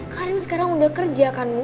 kalian sekarang udah kerja kan bu